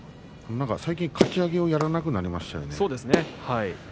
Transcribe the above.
最近かち上げをやらなくなりましたよね。